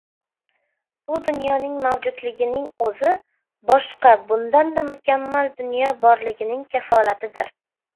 Bu dunyoning mavjudligining o‘zi—boshqa, bundanda mukammal dunyo borligining kafolatidir.